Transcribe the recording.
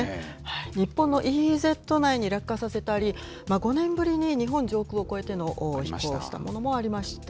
日本のＥＥＺ内に落下させたり、５年ぶりに日本上空を越えての飛行をしたものもありました。